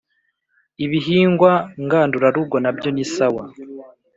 ibihingwa ngandurarugo nabyo nisawa